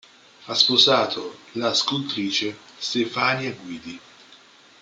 Ha sposato la scultrice Stefania Guidi.